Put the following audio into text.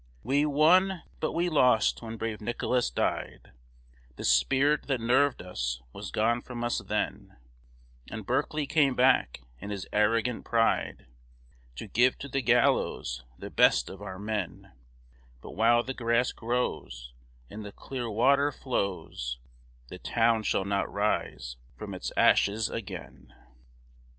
We won; but we lost when brave Nicholas died; The spirit that nerved us was gone from us then; And Berkeley came back in his arrogant pride To give to the gallows the best of our men; But while the grass grows And the clear water flows, The town shall not rise from its ashes again.